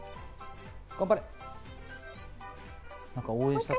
頑張れ。